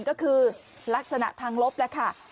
ก็คือลักษณะทางลบแล้วค่ะ